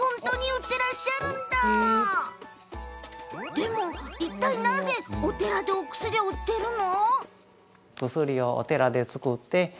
でも、いったいなぜお寺でお薬を売ってるの？